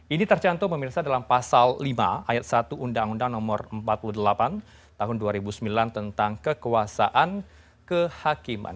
ini tercantum memirsa dalam pasal lima ayat satu undang undang nomor empat puluh delapan tahun dua ribu sembilan tentang kekuasaan kehakiman